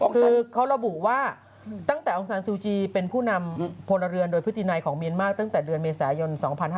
คือเขาระบุว่าตั้งแต่องศาลซูจีเป็นผู้นำพลเรือนโดยพฤตินัยของเมียนมาร์ตั้งแต่เดือนเมษายน๒๕๕๙